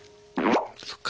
そっか。